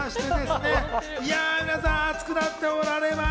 皆さん、熱くなっておられます。